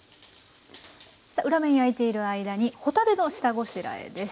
裏面焼いている間に帆立ての下ごしらえです。